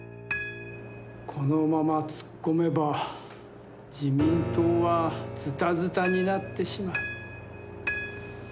このまま突っ込めば、自民党はずたずたになってしまう。